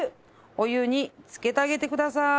お湯につけてあげてください。